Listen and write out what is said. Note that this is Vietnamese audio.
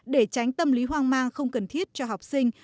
để tránh tâm lý hoang mang không cần thiết cho học sinh